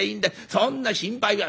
そんな心配は」。